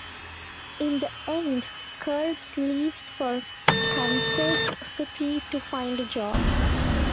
In the end, Krebs leaves for Kansas City to find a job.